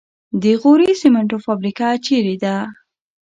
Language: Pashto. د غوري سمنټو فابریکه چیرته ده؟